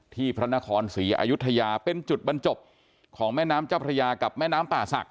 พระนครศรีอายุทยาเป็นจุดบรรจบของแม่น้ำเจ้าพระยากับแม่น้ำป่าศักดิ